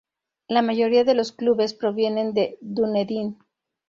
La mayoría de los clubes provienen de Dunedin.